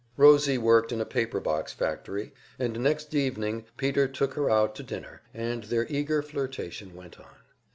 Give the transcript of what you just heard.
Rosie worked in a paper box factory, and next evening Peter took her out to dinner, and their eager flirtation went on.